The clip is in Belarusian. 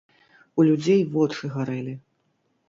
У людзей вочы гарэлі.